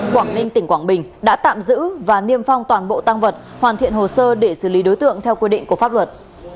cơ quan cảnh sát điều tra công an huyện quảng ninh tỉnh quảng bình đã tạm giữ và niêm phong toàn bộ tăng vật hoàn thiện hồ sơ để xử lý đối tượng theo quy định của pháp luật